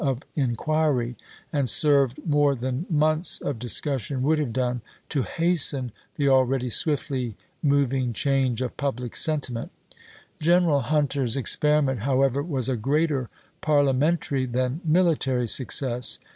of inquiry ; and served, more than months of dis cussion would have done, to hasten the already swiftly moving change of public sentiment, Gren 1862. era! Hunter's experiment, however, was a greater parliamentary than military success.